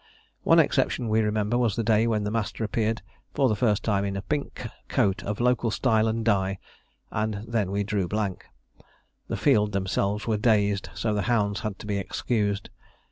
One exception we remember was the day when the master appeared for the first time in a pink coat of local style and dye, and then we drew blank. The field themselves were dazed, so the hounds had to be excused.